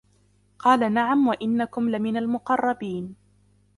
قَالَ نَعَمْ وَإِنَّكُمْ لَمِنَ الْمُقَرَّبِينَ